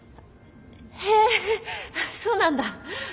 へえそうなんだ。